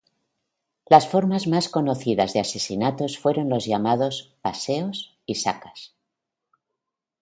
Las formas más conocidas de asesinatos fueron los llamados "paseos" y "sacas".